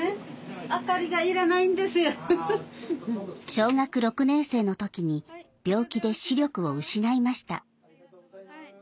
小学６年生のときに病気で視力を失いました。